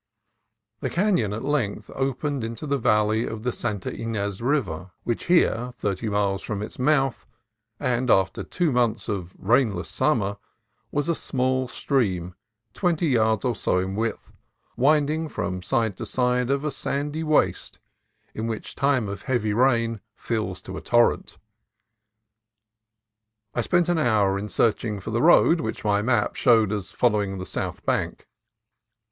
The canon at length opened into the valley of the Santa Ynez River, which here, thirty miles from its mouth, and after two months of the rainless summer, was a small stream, twenty yards or so in width, winding from side to side of a sandy waste which in time of heavy rain fills to a torrent. I spent an hour in searching for the road which my map showed as following the south bank.